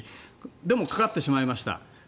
でもかかってしまいました。